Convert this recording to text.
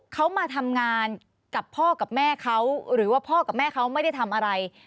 เขามาทำงานกับพ่อกับแม่เขาหรือว่าพ่อกับแม่เขาไม่ได้ทำอะไร